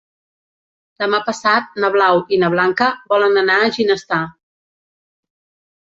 Demà passat na Blau i na Blanca volen anar a Ginestar.